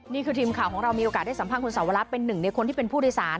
ทีมข่าวของเรามีโอกาสได้สัมภาษณ์คุณสาวรัฐเป็นหนึ่งในคนที่เป็นผู้โดยสาร